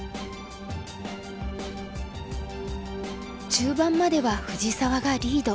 中盤までは藤沢がリード。